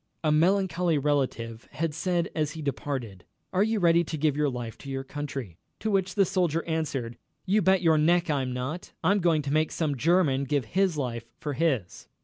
A melancholy relative had said, as he departed: "Are you ready to give your life to your country?" To which the soldier answered: "You bet your neck I'm not I'm going to make some German give his life for his."